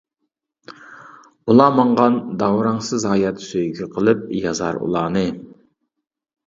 ئۇلار ماڭغان داۋراڭسىز ھايات سۆيگۈ قىلىپ يازار ئۇلارنى.